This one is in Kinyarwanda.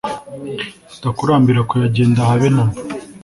atakurambira kuyagenda habe namba